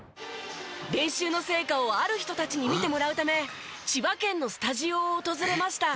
練習の成果をある人たちに見てもらうため千葉県のスタジオを訪れました。